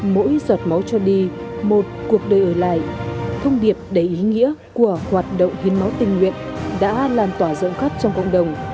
mỗi giọt máu cho đi một cuộc đời ở lại thông điệp đầy ý nghĩa của hoạt động hiến máu tình nguyện đã lan tỏa rộng khắp trong cộng đồng